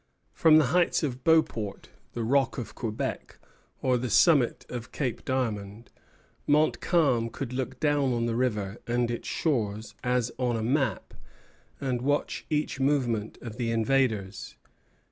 From the heights of Beauport, the rock of Quebec, or the summit of Cape Diamond, Montcalm could look down on the river and its shores as on a map, and watch each movement of the invaders.